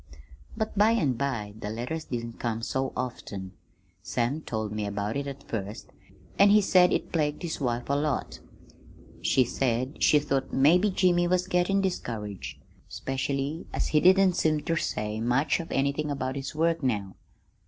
"But by an' by the letters didn't come so often. Sam told me about it at first, an' he said it plagued his wife a lot. He said she thought maybe Jimmy was gettin' discouraged, specially as he didn't seem ter say much of anything about his work now.